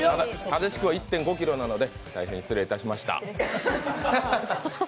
正しくは１．５ｋｇなので大変失礼いたしました。